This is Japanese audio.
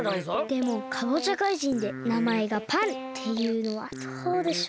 でもかぼちゃかいじんでなまえがパンっていうのはどうでしょう？